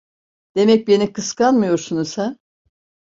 Demek beni kıskanmıyorsunuz ha?